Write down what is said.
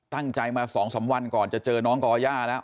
ตั้งใจมา๒๓วันก่อนจะเจอน้องกรยานะ